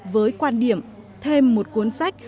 với quan điểm thêm một cuốn sách